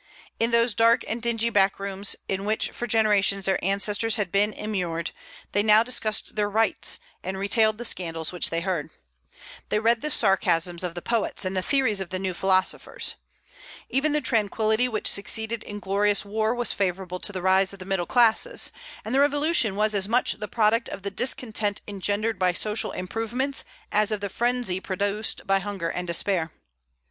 In those dark and dingy backrooms, in which for generations their ancestors had been immured, they now discussed their rights, and retailed the scandals which they heard. They read the sarcasms of the poets and the theories of the new philosophers. Even the tranquillity which succeeded inglorious war was favorable to the rise of the middle classes; and the Revolution was as much the product of the discontent engendered by social improvements as of the frenzy produced by hunger and despair.